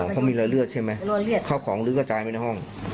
อ๋อเขามีรอยเลือดใช่ไหมรอยเลือดข้าวของกระจายไหมในห้อง